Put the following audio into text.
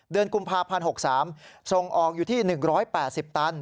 เดือนกุมภาพันธ์๖๓ส่งออกอยู่ที่๑๘๐ตัน